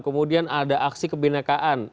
kemudian ada aksi kebenakaan